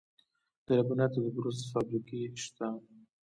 د لبنیاتو د پروسس فابریکې شته